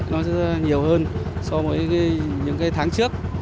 nó sẽ nhiều hơn so với những tháng trước